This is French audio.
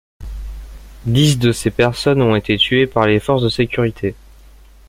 Dix de ces personnes ont été tuées par les forces de sécurité.